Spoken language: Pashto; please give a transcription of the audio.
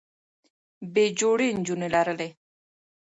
بې جوړې نجونې لرلې